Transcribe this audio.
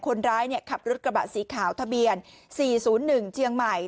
คนร้ายขับรถกระบะสีขาวทะเบียน๔๐๑เชียงใหม่